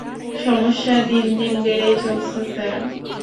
সমস্যা দিন দিন বেড়েই চলছে, স্যার।